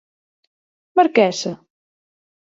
Marquesa.